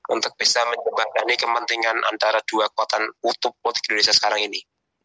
untuk bisa menjembatani kepentingan antara dua kota utuh politik indonesia sekarang ini